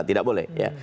tidak boleh ya